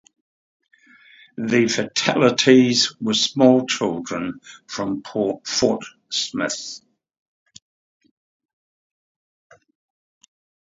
The fatalities were small children from Fort Smith.